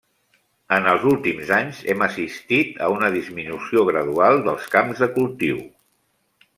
En els últims anys hem assistit a una disminució gradual dels camps de cultiu.